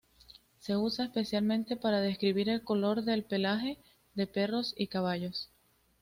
Se usa especialmente para describir el color del pelaje de perros y caballos.